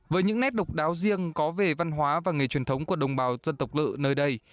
với những nét độc đáo riêng có về văn hóa và nghề truyền thống của đồng bào dân tộc lự nơi đây